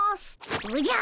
おじゃ！